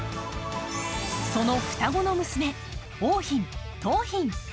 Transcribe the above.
その双子の娘、桜浜、桃浜。